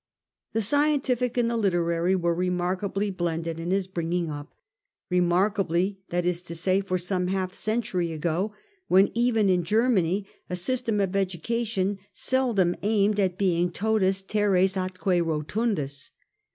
The scientific and the literary were remarkably blended in his bringing up ; remarkably, that is to say, for some half century ago, when even in Germany a system of education seldom aimed at being totus, teres atque rotundus.